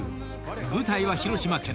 舞台は広島県］